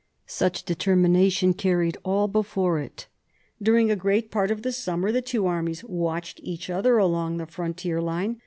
Such determination carried all before it. During a great part of the summer the two armies watched each other along the frontier line.